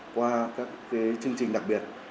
qua các cái chương trình đặc biệt